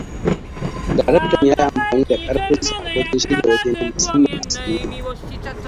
Daraktan ya yi amfani ƙarfinsa wajen shirya waje na musamman a sinima.